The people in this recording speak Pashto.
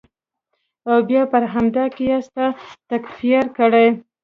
او بیا پر همدې قیاس تا تکفیر کړي.